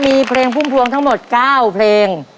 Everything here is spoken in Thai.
มีเพลงพุ่มพวงทั้งหมด๙เพลง